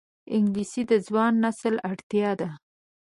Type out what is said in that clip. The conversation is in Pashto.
انګلیسي د ځوان نسل اړتیا ده